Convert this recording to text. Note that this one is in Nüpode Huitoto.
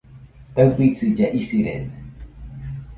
Taɨbisilla isirede